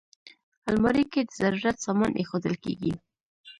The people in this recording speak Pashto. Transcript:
الماري کې د ضرورت سامان ایښودل کېږي